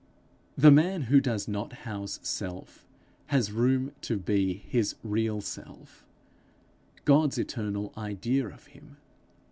The man who does not house self, has room to be his real self God's eternal idea of him.